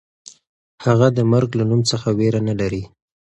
هغه د مرګ له نوم څخه وېره نه لري.